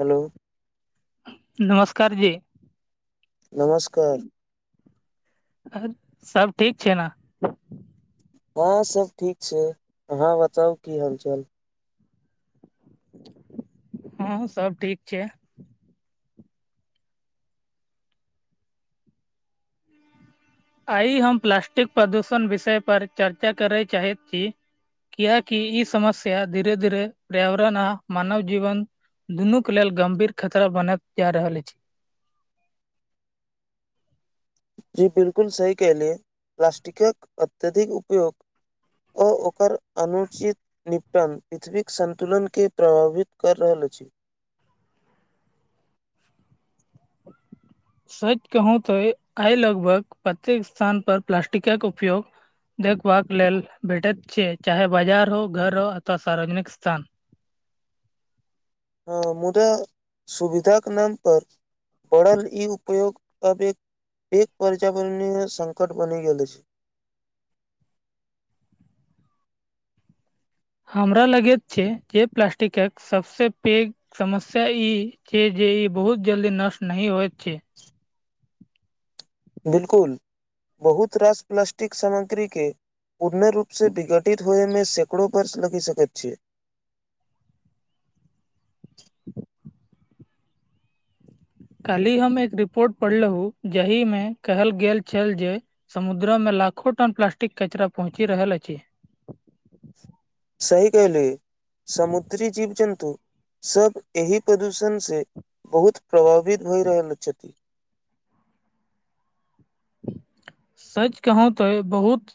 Hello नमस्कार जी नमस्कार [unintelligible] सब ठीक छैय ने? हँं सब ठीक छैय, आहाँ बताउ की हालचाल? हँ हूं सब ठीक छैय। आइ हम प्लास्टिक प्रदूषण विषय पर चर्चा करय चाहैत छी। कियाकि ई समस्या धीरे धीरे पर्यावरण आ मानव जीवन दुनू के लेल गम्भीर खतरा बनल जा रहल अछि। जी बिल्कुल सही कलियै प्लास्टिकक अत्यधिक उपयोग ओ ओकर अनुचित निपटान पृथ्वीक सन्तुलनके प्रभावित करऽ रहल अछि। सच कहू तो आइ लगभग प्रत्येक स्थान पर प्लासस्टिकक उपयोग देखबाक लेल भेटैत छैय चाहे बाजार हो घर हो अथवा सार्वजनिक स्थान। हँ मुदा सुविधाक नामपर बड़ल ई उपयोग अब एक प पर्यावरणीय संकट बनि गेल अछि। हमरा लगैत छैय जे प्लास्टिक सबसे पैघ समस्या ई छैय जे ई बहुत जल्दी नष्ट नही होयत छैय। बिल्कुल बहुत रास प्लास्टिक सामग्रीक के पूर्ण रूपसँ विघटित होइमे सैकड़ो वर्ष लगि सकैत छैय। [inaudible] काल्हि हम एक रिपोर्ट पढ़लहुँ जाहिमे कहल गेल छल जे समुद्र मे लाखो टन प्लास्टिक कचरा पहुँचि रहल अछि। सही कहिले समुद्री जीव जन्तु सब एहि प्रदूषण से बहुत प्रभावित भए रहल छथि। सच कहू तो बहुत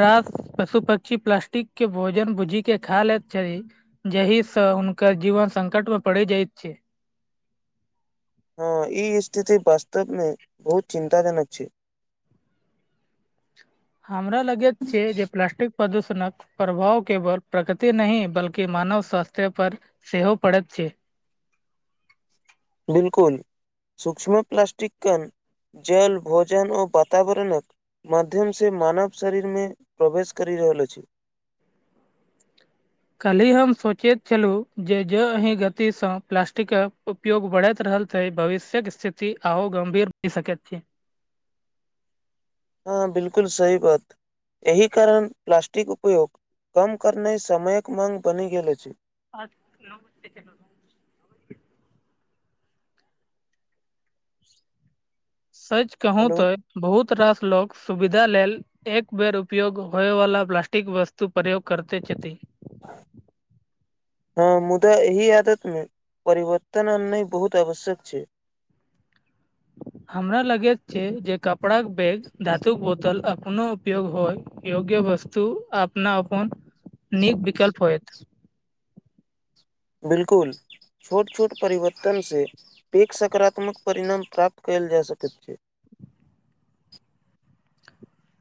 रास पशु पक्षी प्लास्टिक के भोजन बुझी के खा लेत छैय। जहि स हुनकर जीवन संकट में पड़ जायत छैय। हँ ई स्थिति वास्तव मे बहुत चिन्ताजनक छैय। हमरा लगैत छैय जे प्लास्टिक प्रदूषणक प्रभाव केवल प्रकृति नहि बल्कि मानव स्वास्थ्य पर सेहो पड़ैत छैय। बिलकुल सूक्ष्म प्लास्टिक कन जल भोजन ओ बातावरणक माध्यम से मानव शरीर मे प्रवेश करि रहल अछि। काल्हि हम सोचैत छलहुँ जे जो एहि गतिसँ प्लास्टिकक उपयोग बढ़ैत रहल छैय भविष्य्यक स्थिति आओ गम्भीर भ सकैत छैय। हँ बिल्कुल सही बात। एहि कारण प्लास्टिक उपयोग कम करनाइ समयक माँग बनि गेल अछि। [unintelligible] सच कहू हेलो तो बहुत रास लो सुविधा लेल एक बेर उपयोग होय वाला प्लास्टिक वस्तु प्रयोग करते छथि [inaudible] ह मुदा एहि आदत मे परिवर्तन आननाइ बहुत आवश्यक छै हमरा लगैत छै जे कपड़ाके बैग धातुक बोतल अपनो उपयोग होय योग्य वस्तु अपना अपन नीक विकल्प होएत बिलकुल छोट छोट परिवर्तनसँ एक सकारात्मक परिणाम प्राप्त कयल जा सकैत छै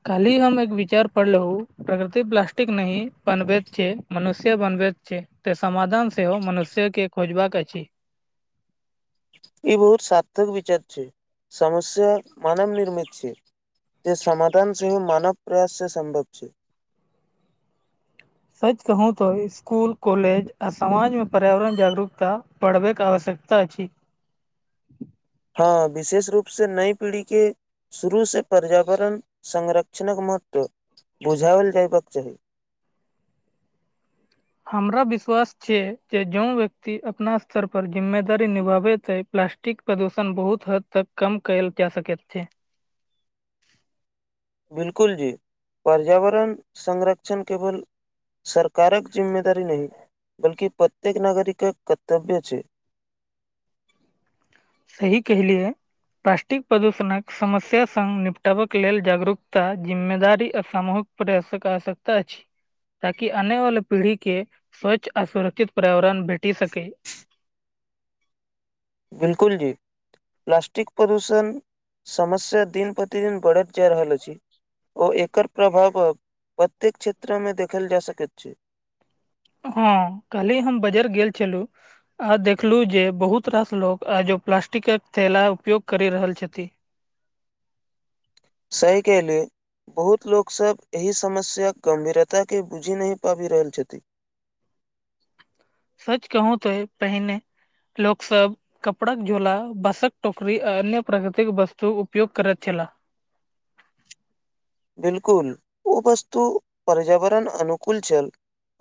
काल्हि हम एक विचार पढ़लेहु प्रकृति प्लास्टिक नी बनबैत छै मनुष्य बनबैत छै तऽ समाधान सेहो मनुष्य के खोजबाक अछि ई बहुत सार्थक विचार छै समस्या मानव निर्मित छै जे समाधान सेहो मानव प्रयास से सम्भव छै सच कहू तऽ स्कुल कॉलेज आ समाजमे पर्यावरण जागरूकता पढ़बैके आवश्यकता छै हँ विशेष रूप से नई पीढ़ी के शुरूसँ पर्यावरण संरक्षणक महत्व बुझाओल जयबाक चाही हमरा विश्वास छियै जे जों व्यक्ति अपना स्तर पर जिम्मेदारी निभाबैत अछि प्लास्टिक प्रदूषण बहुत हद तक कम कयल जा सकै छैे बिलकुल जी पर्यावरण संरक्षण केवल सरकारक जिम्मेदारी नहि बल्कि प्रत्येक नागरिकक कर्तव्य छै सही कहलियै प्लास्टिक प्रदूषणक समस्या सङ्ग निपटबाक लेल जागरूकता जिम्मेदारी आ सामूहक प्रयासक आवश्यकता अछि ताकि आने वाले पीढ़ी के स्वच्छ आर सुरक्षित पर्यावरण भेटी सके बिलकुल जी प्लास्टिक प्रदूषण समस्या दिन प्रतिदिन बढ़त जा रहल अछि ओ एकर प्रभाव प्रत्येक क्षेत्र मे देखल जा सकैत छै हँ काल्हि हम बजार गेल छलहुँ आ देखलू जे बहुत रास लोक आजो प्लास्टिकक थैला उपयोग करि रहल छथिन सही कहलियै बहुत लोक सब एहि समस्याक गंभीरता के बुझि न पाबि रहल छथि सच कहू तऽ पहिने लोक सब कपड़ाक झोला बांसक टोकरी आ अन्य प्राकृतिक वस्तु उपयोग करैत छला बिलकुल ओ वस्तु पर्यावरण अनुकूल छल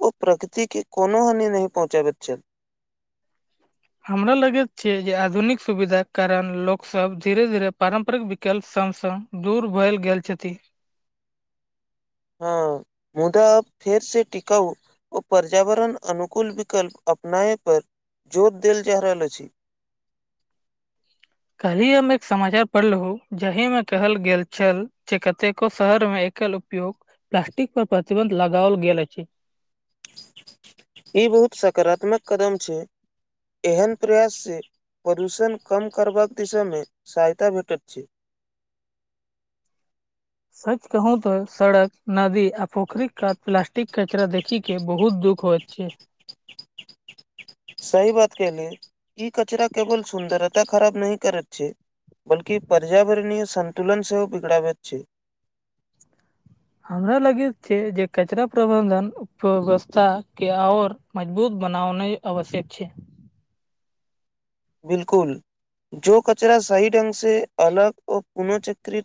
ओ प्रकृति के कोनो हानि नहि पहुँचाबैत छथि हमरा लगैत छै जे आधुनिक सुविधाक कारण लोक सब धीरे धीरे पारम्परिक विकल्प सङ्ग सङ्ग दूर भेल गेल छथि हँ मुदा आ फेर से टिकाउ ओ पर्यावरण अनुकूल विकल्प अपनाय पर जोर देल जा रहल अछि काल्हि हम एक समाचार पढ़लहु जाहि मे कहल गेल छल जे कतेको शहर में एकल उपयोग प्लास्टिक पर प्रतिबंध लगाओल गेल अछि ई बहुत सकारात्मक कदम छै एहन प्रयाससँ प्रदूषण कम करबाक दिशामे सहायता भेटैत छै सच कहू तऽ सड़क नदी आ पोखरि काट प्लास्टिक कचरा देखी के बहुत दुःख हो छै सही बात कहली ई कचरा केवल सुन्दरता खराब नहि करैत छै बल्कि पर्यावरणीय संन्तुलन सेहो बिगड़ाबैत छै हमरा लगैत छै जे कचरा प्रबंधन व्यवस्था के आओर मजबूत बनाओनाइ आवश्यक छै बिलकुल जो कचरा सही ढंग से अलग ओ पुनःचक्रित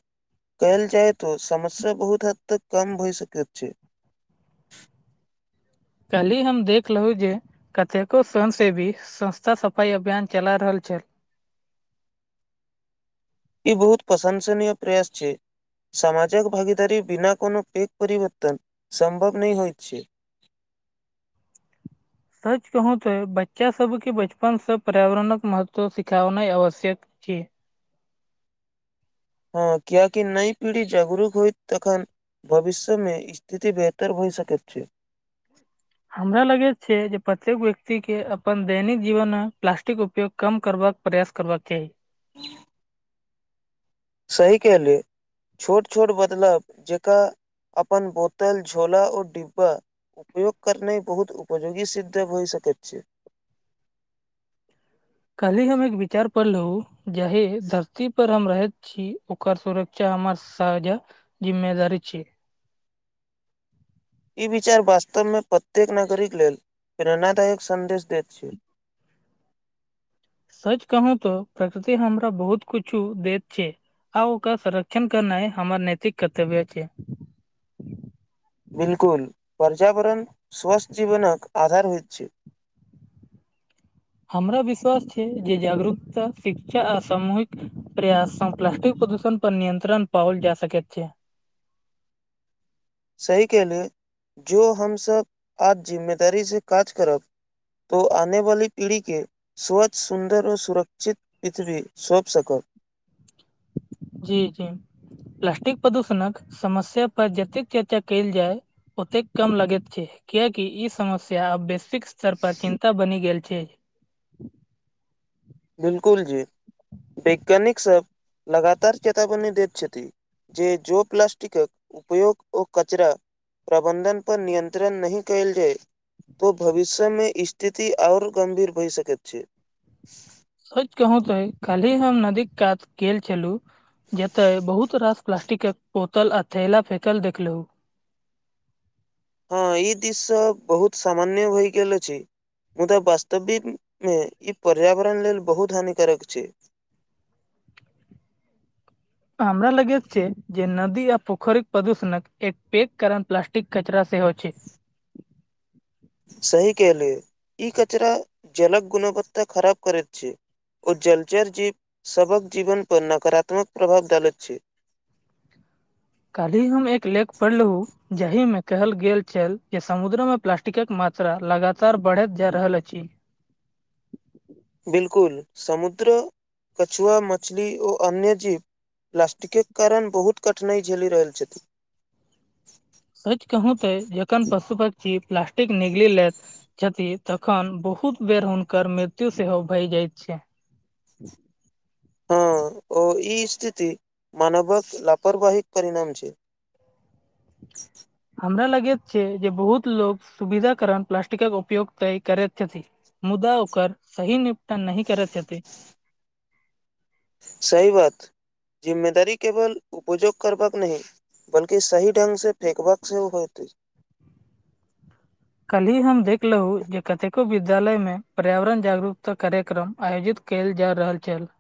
कयल जाय तो समस्या बहुत हद तक कम भय सकैत छै कल्ही हम देख लहु जे कतेको स्वयंसेवी संस्था सफाइ अभियान चला रहल छल ई बहुत प्रशंसनीय प्रेस छै समामाजक भागीदारी बिना कोनो पेेघ परवर्तन सम्भव नहि होइ छै सच कहू तो बच्चा सब के बचपन से पर्यावरणक महत्व सिखेना आवश्यक की हँ कियाकि नई पीढ़ी जागरूक होइ तखन भविष्यमे स्थिति बेहतर भऽ सकैत छै हमरा लगे छै जे प्रत्येक व्यक्ति के अपन दैनिक जीवन मे प्लास्टिक उपयोग कम करबाक प्रयास करबाक चाही सही कहले छोट छोट बदलव जकरा अपन बोतल झोला आओर डिब्बा उपयोग करनाइ बहुत उपयोगी सिद्ध भए सकैत छै कालिह हम एक विचार पढ़ लू जाहे धरती पर हम रहैत छी ओकर सुरक्षा हमर साझा जिम्मेदारी छी ई विचार वास्तवमे प्रत्येक नागरिक लेल प्रेरणादायक सन्देश दैत छै सच कहू तो प्रकृति हमरा बहुत कुछु देैत छै आ ओकर संरक्षण करनाय हमर नैतिक कर्तव्य अछि बिलकुल पर्यावरण स्वस्थ जीवनक आधार होइत छै हमरा विश्वास छै जे जागरूकता शिक्षा आ सामूहिक प्रयास संग प्लास्टिक प्रदूषण पर नियत्रण पओल जा सकैत छै सही कहले जो हमसब आज जिम्मेदारी से काज करब तो आने वाली पीढ़ी के स्वच्छ सुन्दर ओ सुरक्षित पृथ्वी सौँप सकब जी जी प्लास्टिक प्रदूषणक समस्या पर जतेक चर्चा कयल जाय ओतेक कम लगैत छै किया की ई समस्या आब वैश्विक स्तर पर चिन्ता बनि गेल छै बिलकुल जी वैज्ञानिक सब लगातार चेतावनी दैत छथि जे जो प्लास्टिकक उपयोग ओ कचरा प्रबन्धन पर नियन्त्रण नहि कयल जाय तो भविष्य मे स्थिति आऔर गम्भीर भय सकैत छै सोच कहू तो कल्हि हम नदीक कात गेल छलहुँ जते बहुत रास प्लास्टिकक बोतल आ थैला फेकल देखलहुँ हँ ई दृश्य बहुत सामान्य होय गेल अछि मुदा वास्तविक मे ई पर्यावरण लेल बहुत हानिकारक छै हमरा लगैत छै जे नदी आ पोखरीक प्रदूषणक एक पैघ कारण प्लास्टिक कचरा सेहो छै सही कहलहूँ ई कचरा जलक गुणवत्ता खराब करैत छै ओ जलचर जीव सबक जीवन पर नकारात्मक प्रभाव डालैत छै काल्हि हम एक लेख पढ़लहुँ जाहि मे कहल गेल छल जे समुद्र में प्लास टिकक मात्रा लगातार बढ़ैत जा रहल अछि बिलकुल समुद्र कछुआ मछली ओ अन्य जीव प्लास्टिकक कारण बहुत कठिनाइ झेली रहल छथिन सच कहू ते जखन पशु पक्षी प्लास्टिक निगली लेत छथि तखन बहुत बेर हुनकर मृत्यु सेहो भय जाय छै हँ ओ ई स्थिति मानवक लापरवाहिक परिणाम छै [inaudible] हमरा लगैत छै जे बहुत लोग सुविधा कारण प्लास्टिकक उपयोग तय करैत छथिन मुदा ओकर सही निपटान नहि करैत छथि सहि बात जिम्मेदारी केवल उपयोग करबाक नहि बल्कि सही ढंग से फेकबाक सेहो होइत अछि कल्हि हम देखलहु जे कतेको विद्यालय मे पर्यावरण जागरूकता कार्यक्रम आयोजित कयल जा रहल छल।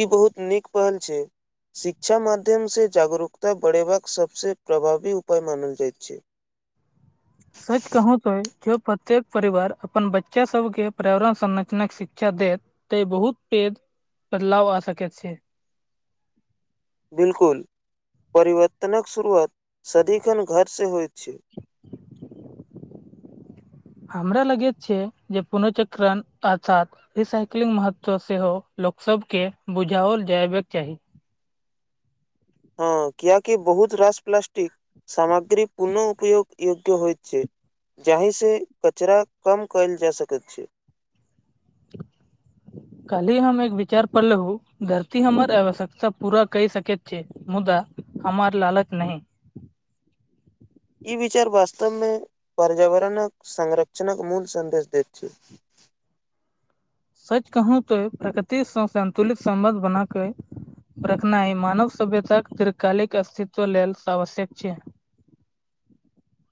ई बहुत नीक पहल छैय। शिक्षा माध्यमसँ जागरूकता बढ़ेबाक सभसँ प्रभावी उपाय मानल जाइत छैय। [inaudible] सच कहु तो जो प्रत्येक परिवार अपन बच्चा सबके पर्यावरण संरचना के शिक्षा देत तै बहुत पैघ बदलाव आ सकैत छैय। बिलकुल परिवर्तनक शुरुआत सदिखन घर से होइत छैय। [inaudible] हमरा लागैत छै जे पुनःचक्रण अर्थात रिसाइकिलिंग महत्व सेहो लोकसभके बुझावल जयबाक चाही। हँ कियाकि बहुत रास प्लास्टिक सामग्री पुनः उपयोग योग्य होइत छैय। जाहिसँ कचरा कम कयल जा सकैत छैय। [inaudible] कल्हि हम एक विचार पढलहु धरती हमर आवश्यकता पूरा कै सकैत छैय। मुदा हमार लालच नहि। ई विचार वास्तवमे पर्यावरणक संरक्षणक मूल सन्देश दैत छैय। सच कहूं तो प्रकृतिसँ संन्तुलित सम्बन्ध बना के रखनाइ मानव सभ्यताक दीर्घकालिक अस्तित्व लेल आवश्यक छैय।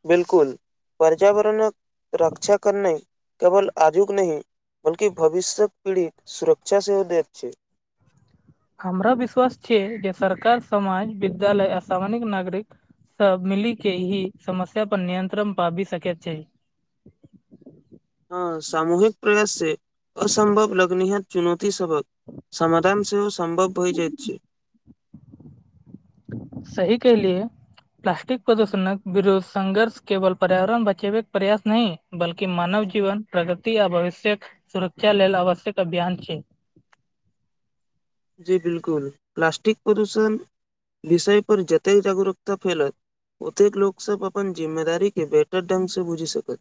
बिलकुल पर्यावरणक रक्षा करनाइ केवल आजुक नहि बल्कि भविष्यक पीढ़ीक सुरक्षा सेहो दैत छैय। हमरा विश्वास छैय जे सरकार समाज विद्यालय आ सामानिक नागरिक सब मिलीके ई समस्या पर नियंत्रण पाबि सकैत छैय। हँ सामूहिक प्रयास से असम्भव लग्निहत चुनौती सबहक समाधान सेहो सम्भव होइ जाइत छैय। सही कहलियए। प्लास्टिक प्रदूषणक विरोध संघर्ष केवल पर्यावरण बचेबाक प्रयास नहि बल्कि मानव जीवन प्रगति आ भविष्य्यक सुरक्षा लेल आवश्यक अभियान छैय। जी बिलकुल प्लास्टिक प्रदूषण विषयपर जतेक जागरूकता फैलत ओतेक लोकसभ अपन जिम्मेदारीके बेहतर ढंगसँ बुझि सकत।